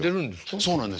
そうなんですよ。